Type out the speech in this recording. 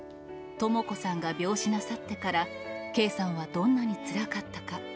誠子さんが病死なさってから、圭さんはどんなにつらかったか。